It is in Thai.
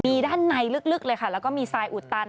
มีด้านในลึกเลยค่ะแล้วก็มีทรายอุดตัน